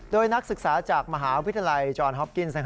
โดยนักศึกษาจากมหาวิทยาลัยจอร์นฮอปกิ้น